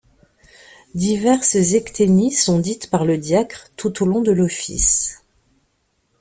Diverses ecténies sont dites par le diacre tout au long de l'office.